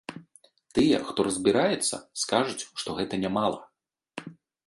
Тыя, хто разбіраецца, скажуць, што гэта нямала.